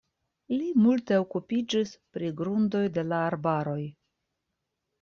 Li multe okupiĝis pri grundoj de la arbaroj.